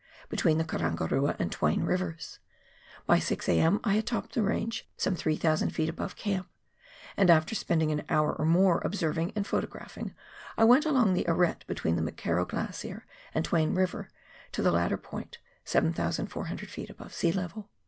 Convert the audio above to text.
between the Karangarua and Twain Rivers. By 6 A.M. I had topped the range some 3,000 ft. above camp, and after spending an hour or more observing and photographing, I went along the arete between the McKerrow Glacier and Twain River, to the latter point, 7,400 ft. above sea level.